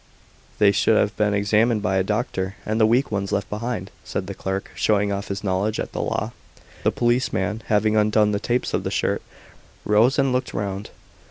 "They should have been examined by a doctor, and the weak ones left behind," said the clerk, showing off his knowledge of the law. The policeman, having undone the tapes of the shirt, rose and looked round.